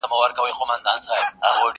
له جانانه مي ګيله ده!